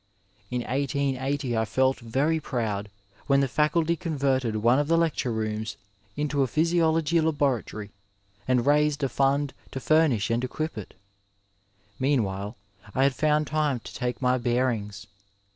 In 1880 1 felt very proud when the faculty converted one of the lecture rooms into a physiological laboratory and raised a fund to furnish and equip it. Meanwhile I had found time to take my bearings.